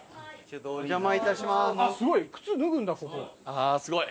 ああすごい！